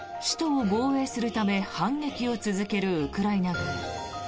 首都を防衛するため反撃を続けるウクライナ軍。